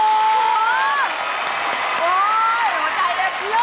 โอ๊ยหัวใจได้เยอะ